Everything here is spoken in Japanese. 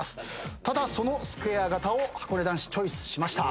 ただそのスクエア型をはこね男子チョイスしました。